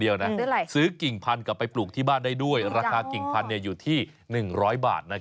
เดี๋ยวจะเปรี้ยวกันแล้วทีนี้ดูหน้าดูหน้าสิ